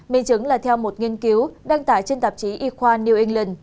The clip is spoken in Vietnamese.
minh chứng là theo một nghiên cứu đăng tải trên tạp chí y khoa new england